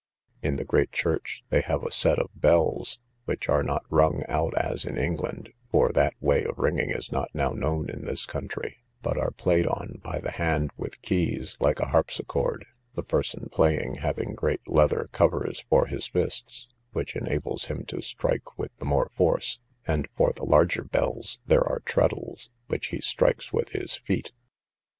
In the great church they have a set of bells, which are not rung out as in England, (for that way of ringing is not now known in this country,) but are played on by the hand with keys, like a harpsichord, the person playing having great leather covers for his fists, which enables him to strike with the more force; and for the larger bells there are treddles, which he strikes with his feet.